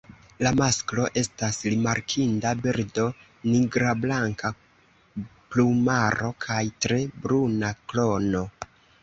La masklo estas rimarkinda birdo nigrablanka plumaro kaj tre bruna krono.